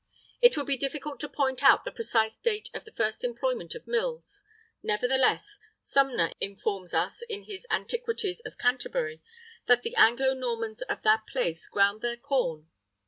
[III 45] It would be difficult to point out the precise date of the first employment of mills; nevertheless, Somner informs us, in his "Antiquities of Canterbury,"[III 46] that the Anglo Normans of that place ground their corn.